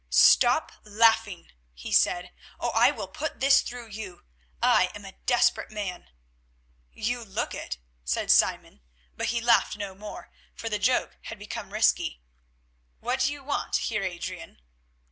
"Stop laughing," he said, "or I will put this through you. I am a desperate man." "You look it," said Simon, but he laughed no more, for the joke had become risky. "What do you want, Heer Adrian?"